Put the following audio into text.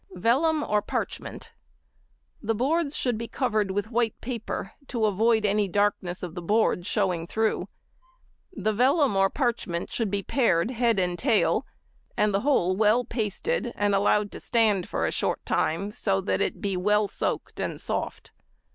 Vellum or Parchment.—The boards should be covered with white paper, to avoid any darkness of the board showing through. The vellum or parchment should be pared head and tail, and the whole well pasted and allowed to stand for a short time so that it be well soaked and soft.